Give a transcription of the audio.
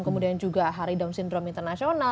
kemudian juga hari down syndrome internasional